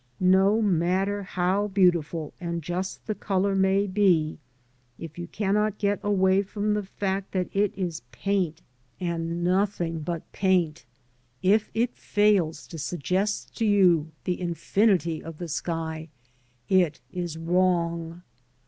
No matter how beautiful and just the colour may be, if you cannot get away from the fact that it is paint and nothing 70 LANDSCAPE PAINTING IN OIL COLOUR. but paint, if it fails to suggest to you the infinity of the sky, it is wrong.